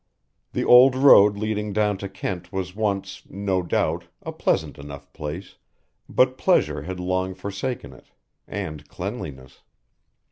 The old road leading down to Kent was once, no doubt, a pleasant enough place, but pleasure had long forsaken it, and cleanliness.